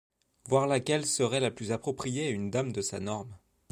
Voir laquelle serait la plus appropriée à une dame de sa norme.